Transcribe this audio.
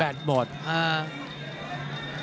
ชาร์จหมดแล้ว